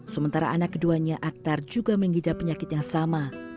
sementara anak keduanya aktar juga mengidap penyakit yang sama